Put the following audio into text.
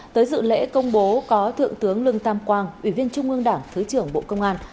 tới dự lễ công bố có thượng tướng lương tam quang ủy viên trung ương đảng thứ trưởng bộ công an